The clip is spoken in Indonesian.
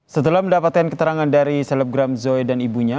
setelah mendapatkan keterangan dari selebgram zoe dan ibunya